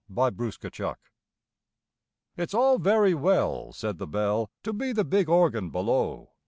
'BELL UPON ORGAN. It's all very well, Said the Bell, To be the big Organ below!